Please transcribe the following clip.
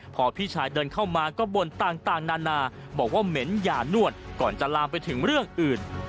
พอพี่ชายเดินเข้ามาก็บ่นต่างนานาบอกว่าเหม็นอย่านวดก่อนจะลามไปถึงเรื่องอื่น